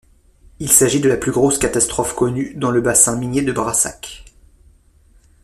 Il s'agit de la plus grosse catastrophe connue dans le bassin minier de Brassac.